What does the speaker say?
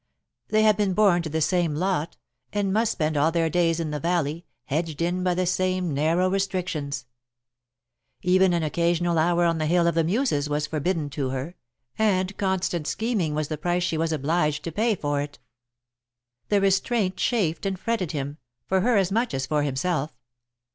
They had been born to the same lot, and must spend all their days in the valley, hedged in by the same narrow restrictions. Even an occasional hour on the Hill of the Muses was forbidden to her, and constant scheming was the price she was obliged to pay for it. [Sidenote: The Book] The restraint chafed and fretted him, for her as much as for himself.